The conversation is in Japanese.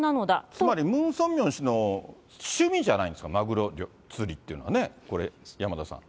つまりムン・ソンミョン氏の趣味じゃないんですか、マグロ釣りっていうのはね、これ、山田さん。